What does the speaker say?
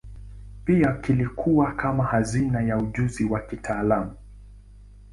Pia kilikuwa kama hazina ya ujuzi wa kitaalamu.